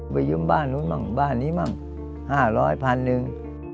ไปยืมบ้านนู้นบ้างบ้านนี้บ้างห้าร้อยพันหนึ่ง